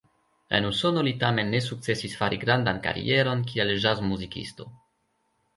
En Usono li tamen ne sukcesis fari grandan karieron kiel ĵazmuzikisto.